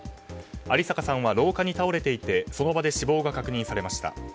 有坂さんは廊下に倒れていてその場で死亡が確認されました。